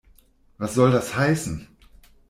Was soll das heißen?